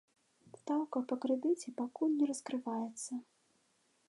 Стаўка па крэдыце пакуль не раскрываецца.